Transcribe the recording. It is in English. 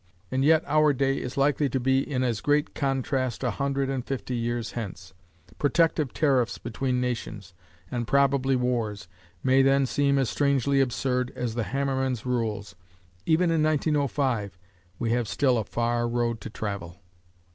and yet our day is likely to be in as great contrast a hundred and fifty years hence. Protective tariffs between nations, and probably wars, may then seem as strangely absurd as the hammermen's rules. Even in 1905 we have still a far road to travel.